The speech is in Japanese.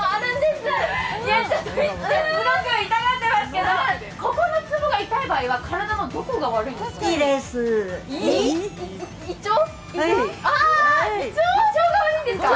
すごく痛がってますけど、ここのつぼが痛い場合は体のどこが悪いんですか？